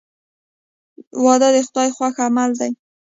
• واده د خدای خوښ عمل دی.